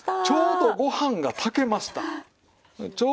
ちょうどご飯が炊けました。